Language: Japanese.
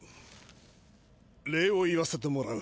礼を言わせてもらう。